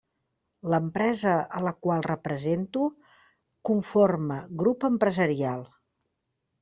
L'empresa a la qual represento conforma grup empresarial.